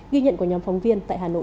ghi nhận của nhóm phóng viên tại hà nội